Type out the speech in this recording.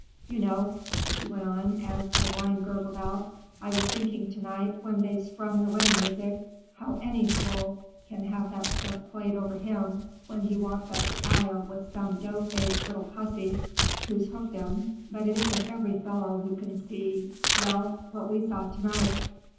You know," he went on as the wine gurgled out, "I was thinking to night when they sprung the wedding music, how any fool can have that stuff played over him when he walks up the aisle with some dough faced little hussy who's hooked him. But it isn't every fellow who can see—well, what we saw tonight.